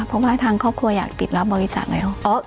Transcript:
เพราะว่าทางครอบครัวอยากปิดบริจาคอะไรออก